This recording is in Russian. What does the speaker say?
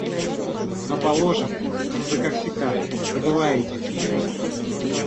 Но, положим, вы, как всегда, забываете о себе.